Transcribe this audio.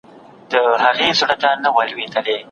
پر مځکي باندي رڼا او ځلا وه.